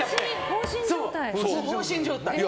放心状態。